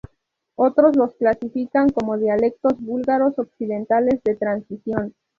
Otros los clasifican como dialectos búlgaros occidentales de transición.